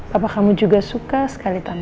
papa kamu juga suka sekali tanaman